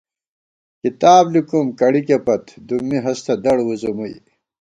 کِتاب لِکوُم کڑِکےپت دُمّی ہستہ دڑ وُزُمُوئی